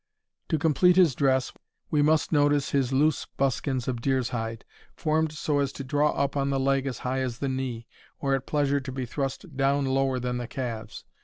To complete his dress, we must notice his loose buskins of deer's hide, formed so as to draw up on the leg as high as the knee, or at pleasure to be thrust down lower than the calves.